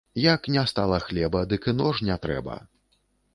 Як не стала хлеба, дык і нож не трэба